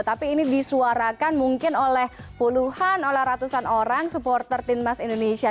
tapi ini disuarakan mungkin oleh puluhan oleh ratusan orang supporter timnas indonesia